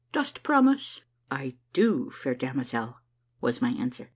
Dost promise ?"" I do, fair damozel," was my answer.